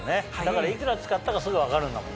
だからいくら使ったかすぐ分かるんだもんね。